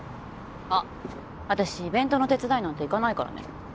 あっ私イベントの手伝いなんて行かないからね。